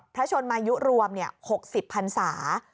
พระชนมายุรวม๖๐พันศา